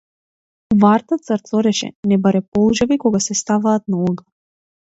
Варта црцореше небаре полжави кога се ставаат на оган.